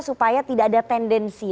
supaya tidak ada tendensi